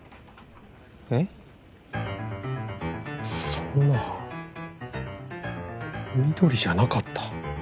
そんな翠じゃなかった？